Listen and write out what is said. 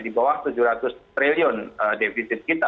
di bawah tujuh ratus triliun defisit kita